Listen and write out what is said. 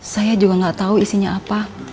saya juga gak tau isinya apa